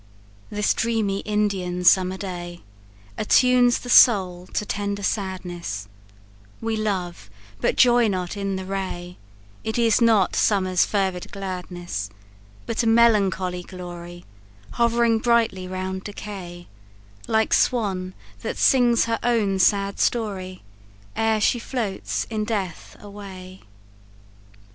This dreamy Indian summer day Attunes the soul to tender sadness: We love, but joy not in the ray, It is not summer's fervid gladness, But a melancholy glory Hov'ring brightly round decay, Like swan that sings her own sad story, Ere she floats in death away.